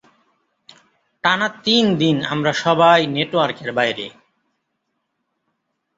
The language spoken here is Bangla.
টানা তিনদিন আমরা সবাই নেটওয়ার্কের বাইরে।